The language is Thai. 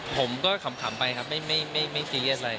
ขำไปครับไม่ซีเรียสอะไร